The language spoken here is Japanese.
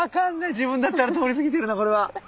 自分だったら通り過ぎてるなこれは。